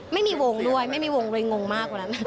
ไม่มีวงด้วยไม่มีวงเลยงงมากกว่านั้น